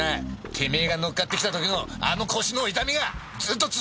てめえが乗っかってきた時のあの腰の痛みがずっと続いてんだよ！